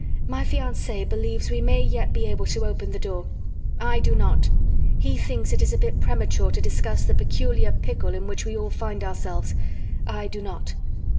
"My fiance believes we may yet be able to open the Door. I do not. He thinks it is a bit premature to discuss the peculiar pickle in which we all find ourselves. I do not."